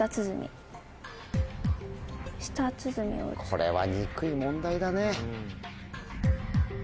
これは憎い問題だね。